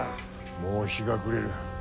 もう日が暮れる。